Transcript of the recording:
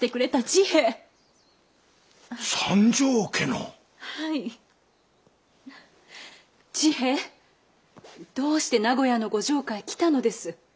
治平どうして名古屋のご城下へ来たのです？